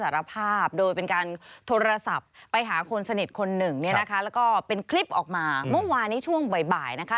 แล้วก็เป็นคลิปออกมาเมื่อวานในช่วงบ่ายนะคะ